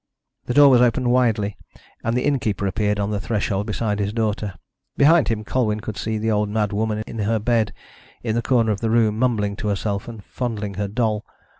The door was opened widely, and the innkeeper appeared on the threshold beside his daughter. Behind him, Colwyn could see the old mad woman in her bed in the corner of the room, mumbling to herself and fondling her doll.